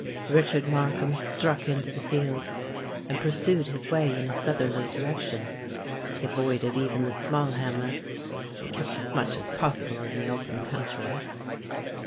Richard Markham struck into the fields, and pursued his way in a southerly direction. He avoided even the small hamlets, and kept as much as possible in the open country.